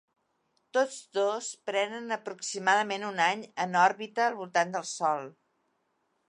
Tots dos prenen aproximadament un any en òrbita al voltant del Sol.